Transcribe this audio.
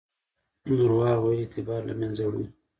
درواغ ویل اعتبار له منځه وړي.